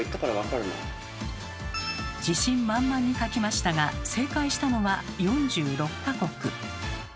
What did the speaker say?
自信満々に書きましたが正解したのは４６か国。